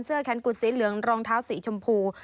แขนกุดสีเหลืองรองเท้าสีชมพู